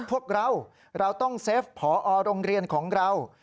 พวกเราเราต้องเซฟพอโรงเรียนของเรา